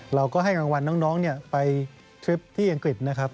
เราก็ให้รางวัลน้องไปทริปที่อังกฤษนะครับ